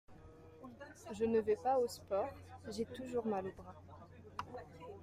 Je ne vais pas au sport, j'ai toujours mal au bras.